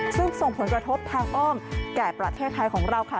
ซึ่งส่งผลกระทบทางอ้อมแก่ประเทศไทยของเราค่ะ